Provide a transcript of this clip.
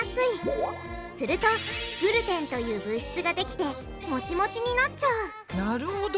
するとグルテンという物質ができてモチモチになっちゃうなるほど。